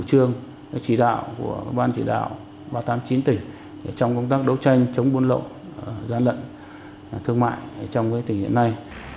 ba trăm tám mươi chín tỉnh trong công tác đấu tranh chống buôn lậu gian lận thương mại trong cái tình hiện nay